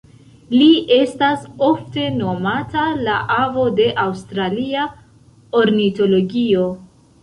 Li estas ofte nomata "la avo de aŭstralia ornitologio".